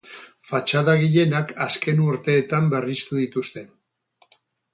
Fatxada gehienak azken urteetan berriztu dituzte.